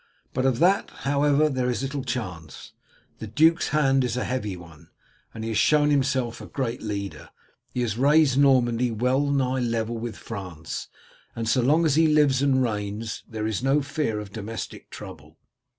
But of that, however, there is little chance; the duke's hand is a heavy one, and he has shown himself a great leader. He has raised Normandy well nigh level with France, and so long as he lives and reigns there is no fear of domestic trouble."